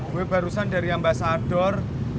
gue barusan dari ambasador